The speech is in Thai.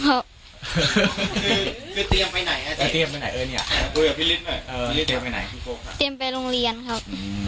ขอบคุณคุณตำรวจนะครับ